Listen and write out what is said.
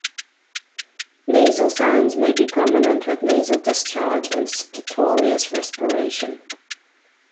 Nasal signs may be prominent, with nasal discharge and stertorous respiration.